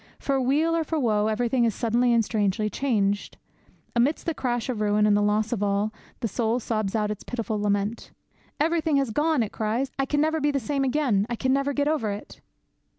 For weal or for woe everything is suddenly and strangely changed. Amidst the crash of ruin and the loss of all, the soul sobs out its pitiful lament. 'Everything has gone!' it cries. 'I can never be the same again! I can never get over it!'